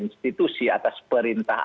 institusi atas perintah